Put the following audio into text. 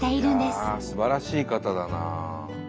すばらしい方だなあ。